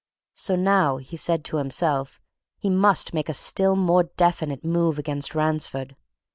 So now, he said to himself, he must make a still more definite move against Ransford.